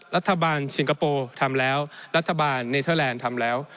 รัฐบาลสิงคโปร์ทำแล้วรัฐบาลเนเทอร์แลนด์ทำแล้ว